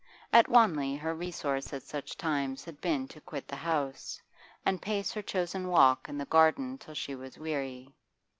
At Wanley her resource at such times had been to quit the house, and pace her chosen walk in the garden till she was weary.